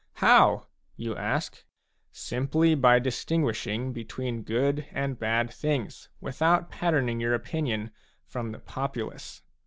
" How ?" you ask. Simply by dis tinguishing between good and bad things without patterning your opinion from the populace.